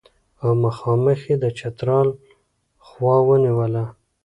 او مخامخ یې د چترال خوا ونیوله.